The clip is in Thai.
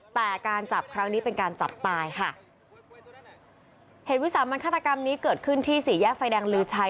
แต่การจับครั้งนี้เป็นการจับตายค่ะเหตุวิสามันฆาตกรรมนี้เกิดขึ้นที่สี่แยกไฟแดงลือชัย